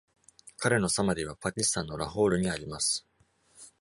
彼のサマディはパキスタンのラホールにあります。